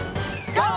ＧＯ！